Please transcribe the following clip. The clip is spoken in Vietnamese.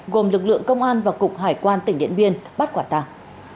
gồm lực lượng công an và cục hải quan tỉnh điện biên bắt quả tàng